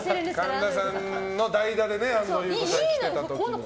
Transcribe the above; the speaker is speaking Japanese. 神田さんの代打でね安藤さんが来てた時に。